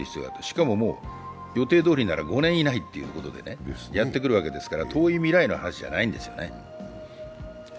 しかも予定どおりなら５年以内にやってくるわけですから遠い未来の話じゃないんですよね。